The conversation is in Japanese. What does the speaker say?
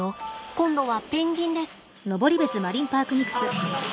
今度はペンギンです。